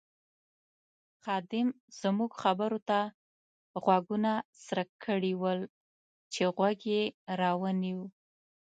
خادم زموږ خبرو ته غوږونه څرک کړي ول چې غوږ یې را ونیو.